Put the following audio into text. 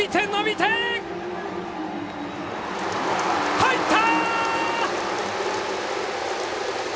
入った！